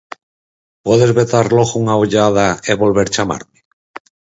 Podes botar logo unha ollada e volver chamarme?